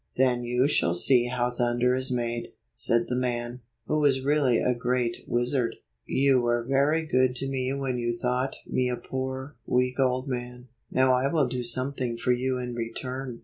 "Then you shall see how thunder is made," said the man, who was really a great wizard. "You were very good to me when you thought me a poor, weak old man. Now I will do some thing for you in return."